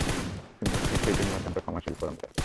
নিশ্চয় তুমি অত্যন্ত ক্ষমাশীল, পরম দয়ালু।